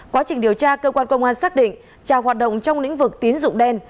quá trình điều tra cơ quan công an xác định trà hoạt động trong lĩnh vực tín dụng đen